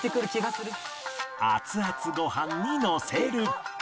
熱々ご飯にのせる